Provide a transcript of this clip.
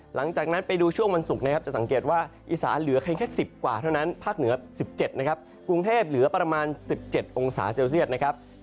หลังจากนั้นไปดูช่วงวันศุกร์นะครับจะสังเกตว่าอีสานเหลือเพียงแค่๑๐กว่าเท่านั้นภาคเหนือ๑๗นะครับกรุงเทพเหลือประมาณ๑๗องศาเซลเซียตนะครับ